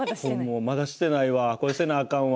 まだしてないかせなあかんわ。